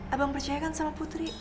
abang percayakan sama putri